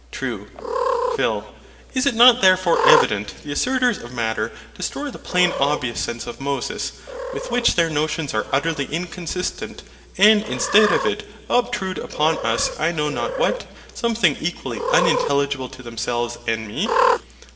True. PHIL. Is it not therefore evident the assertors of Matter destroy the plain obvious sense of Moses, with which their notions are utterly inconsistent; and instead of it obtrude on us I know not what; something equally unintelligible to themselves and me?